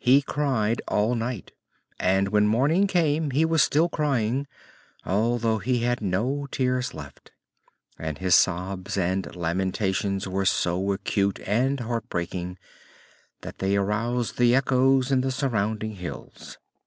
He cried all night and when morning came he was still crying, although he had no tears left, and his sobs and lamentations were so acute and heart breaking that they aroused the echoes in the surrounding hills.